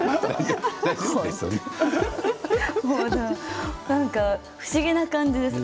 笑い声なんか不思議な感じです。